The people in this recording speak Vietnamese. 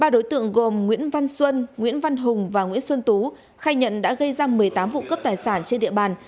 ba đối tượng gồm nguyễn văn xuân nguyễn văn hùng và nguyễn xuân tú khai nhận đã gây ra một mươi tám vụ cướp tài sản trên địa bàn